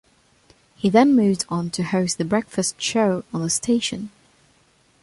He then moved on to host the Breakfast show on the station.